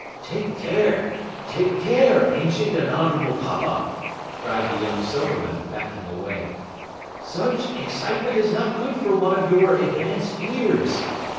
"Take care! Take care, ancient and honorable papa!" cried the young Silverman, backing away. "Such excitement is not good for one of your advanced years."